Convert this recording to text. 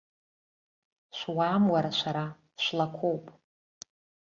Шәуаам уара шәара, шәлақәоуп!